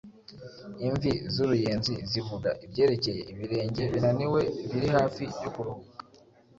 Imvi z’uruyenzi zivuga ibyerekeye ibirenge binaniwe, biri hafi yo kuruhuka,